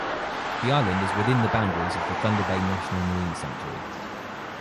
The island is within the boundaries of the Thunder Bay National Marine Sanctuary.